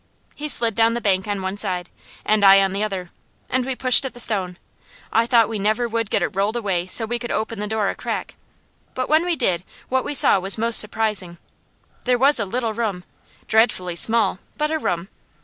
He slid down the bank on one side, and I on the other, and we pushed at the stone. I thought we never would get it rolled away so we could open the door a crack, but when we did what we saw was most surprising. There was a little room, dreadfully small, but a room.